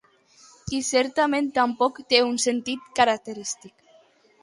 I certament tampoc té un sentit característic.